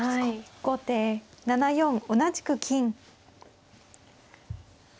後手７四同じく金。